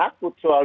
ternyata udah mau